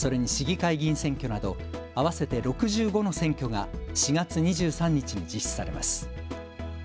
それに市議会議員選挙など合わせて６５の選挙が４月２３日に実施されます。